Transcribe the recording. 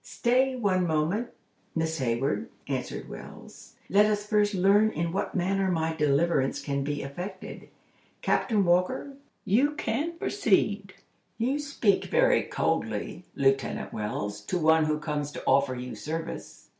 "Stay one moment, Miss Hayward," answered Wells. "Let us first learn in what manner my deliverance can be effected. Captain Walker, you can proceed." "You speak very coldly, Lieutenant Wells, to one who comes to offer you service.